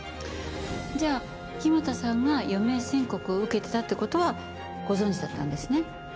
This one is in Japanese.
じゃあ木俣さんが余命宣告を受けてたって事はご存じだったんですね？